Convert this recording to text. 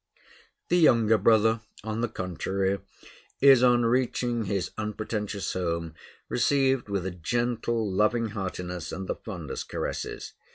The younger brother, on the contrary, is, on reaching his unpretentious home, received with a gentle, loving heartiness and the fondest caresses.